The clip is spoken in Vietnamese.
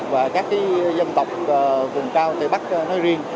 và các dân tộc vùng cao tây bắc nói riêng